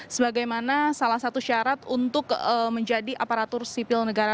sebagaimana salah satu syarat untuk menjadi aparatur sipil negara